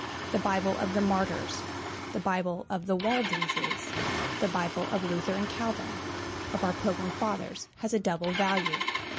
The Bible of the Martyrs, the Bible of the Waldenses, the Bible of Luther and Calvin, of our Pilgrim Fathers, has a double value.